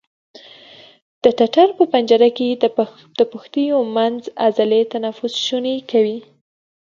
د ټټر په پنجره کې د پښتیو منځ عضلې تنفس شونی کوي.